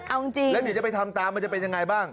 แล้วเด็กจะไปทำตามมันจะเป็นยังไงบ้าง